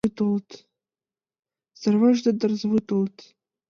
Сарваш ден Тарзывуй толыт.